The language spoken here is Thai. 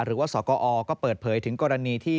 สกอก็เปิดเผยถึงกรณีที่